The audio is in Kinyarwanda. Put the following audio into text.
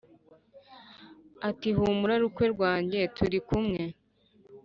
ati humura ruukwe wanjye turi kumwe